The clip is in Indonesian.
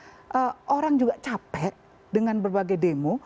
menimbulkan suasana tidak kondusif orang juga capek dengan berbagai demo